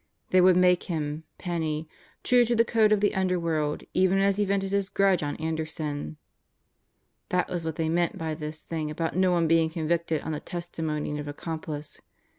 They would make him, Penney, true to the code of the underworld even as he vented his grudge on Anderson. That was what they meant by this thing about no one being convicted on the testimony of an accomplice.